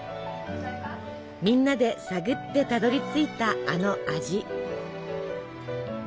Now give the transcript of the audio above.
みんなで探ってたどりついたあの味。